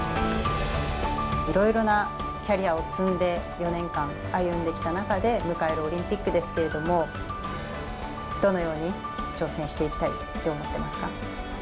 いろいろなキャリアを積んで、４年間歩んできた中で迎えるオリンピックですけれども、どのように挑戦していきたいと思ってますか？